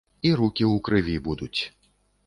І рукі ў крыві будуць.